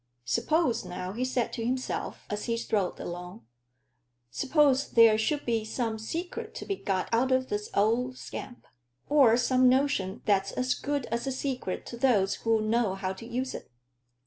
"Suppose now," he said to himself, as he strode along "suppose there should be some secret to be got out of this old scamp, or some notion that's as good as a secret to those who know how to use it?